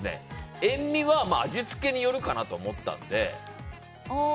塩みは味付けによるかなと思ったので。